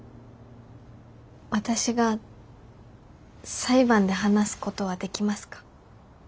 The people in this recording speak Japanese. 私が裁判で話すことはできますか？